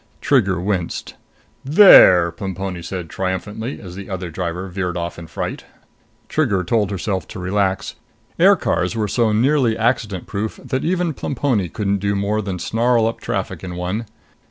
Trigger winced. "There!" Plemponi said triumphantly as the other driver veered off in fright. Trigger told herself to relax. Aircars were so nearly accident proof that even Plemponi couldn't do more than snarl up traffic in one.